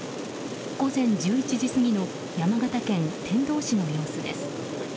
午前１１時過ぎの山形県天童市の様子です。